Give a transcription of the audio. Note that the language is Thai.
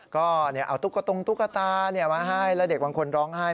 ก็เอาตุ๊กตรงตุ๊กตามาให้แล้วเด็กบางคนร้องไห้